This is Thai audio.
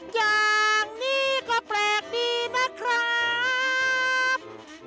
อย่างนี้ก็แปลกดีนะครับ